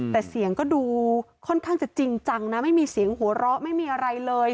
แต่เสียงก็ดูค่อนข้างจะจริงจังนะไม่มีเสียงหัวเราะไม่มีอะไรเลย